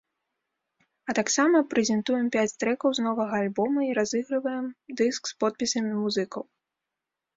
А таксама прэзентуем пяць трэкаў з новага альбома і разыгрываем дыск з подпісамі музыкаў.